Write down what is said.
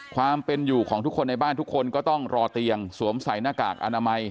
ความเป็นอยู่ของทุกคนในบ้านทุกคนก็ต้องรอเตียงสวมใส่หน้ากากอนามัย